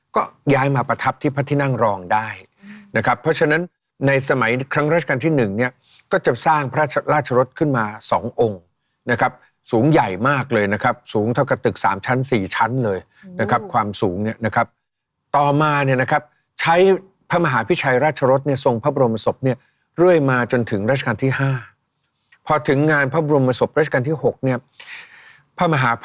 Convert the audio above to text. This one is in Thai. ก็ย้ายมาประทับที่พระที่นั่งรองได้นะครับเพราะฉะนั้นในสมัยครั้งราชการที่๑เนี่ยก็จะสร้างพระราชรสขึ้นมาสององค์นะครับสูงใหญ่มากเลยนะครับสูงเท่ากับตึกสามชั้นสี่ชั้นเลยนะครับความสูงเนี่ยนะครับต่อมาเนี่ยนะครับใช้พระมหาพิชัยราชรสเนี่ยทรงพระบรมศพเนี่ยเรื่อยมาจนถึงราชการที่๕พอถึงงานพระบรมศพราชการที่๖เนี่ยพระมหา